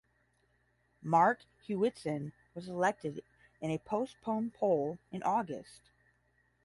Mark Hewitson was elected in a postponed poll in August.